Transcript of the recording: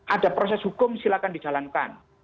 ada proses hukum silahkan dijalankan